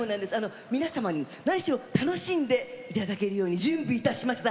皆さんに何しろ楽しんでいただけるように準備いたしました。